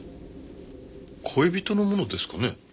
恋人のものですかね？